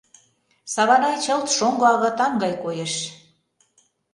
Саванай чылт шоҥго агытан гай коеш.